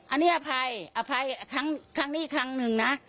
อันนี้อภัยอภัยครั้งนี้อีกครั้งหนึ่งนะ